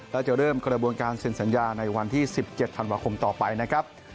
และจะเริ่มกระบวนการเซ็นสัญญาในวันที่๑๗ธันวาคมต่อไปนะครับ